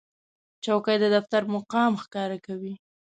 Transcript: چوکۍ د دفتر مقام ښکاره کوي.